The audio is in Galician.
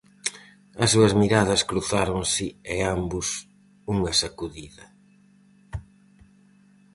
As súas miradas cruzáronse e ambos unha sacudida.